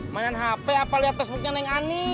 main hp apa liat facebooknya neng ani